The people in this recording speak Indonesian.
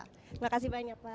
terima kasih banyak pak